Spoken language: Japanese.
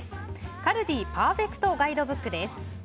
カルディパーフェクトガイドブックです。